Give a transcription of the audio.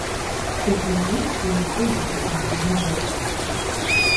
Дыгъужьитӏ я щӏыб зэхуагъазэркъым.